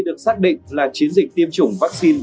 được xác định là chiến dịch tiêm chủng vắc xin